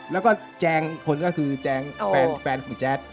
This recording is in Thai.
แล้วก็แจงอีกคนก็คือแจงแฟนของแจ๊ด